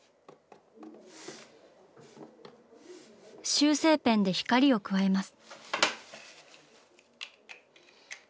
修正ペンで光を加えます。